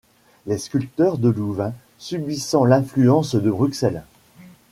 Les sculpteurs de Louvain subissant l'influence de Bruxelles.